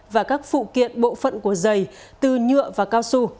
và các phụ kiện bộ phận của dày từ nhựa và cao su